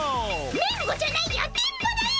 メンゴじゃないよ電ボだよ！